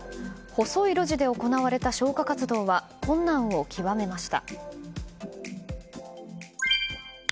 細い路地で行われた消火活動は困難を極めました。